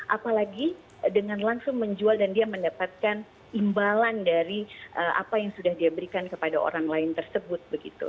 apalagi dengan langsung menjual dan dia mendapatkan imbalan dari apa yang sudah dia berikan kepada orang lain tersebut